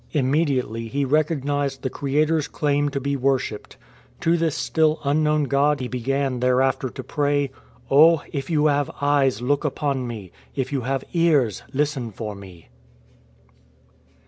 "" Immediately he recognized the Creator''s claim to be worshipped. To this still Unknown God he began there after to pray, " Oh, if You have eyes, look upon me ; if You have ears, listen for me.